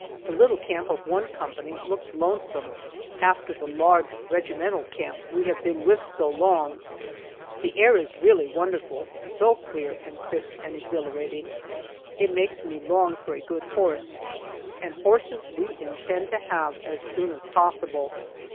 The little camp of one company looks lonesome after the large regimental camp we have been with so long. The air is really wonderful, so clear and crisp and exhilarating. It makes me long for a good horse, and horses we intend to have as soon as possible.